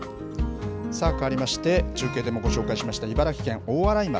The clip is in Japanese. かわりまして、中継でもご紹介しました、茨城県大洗町。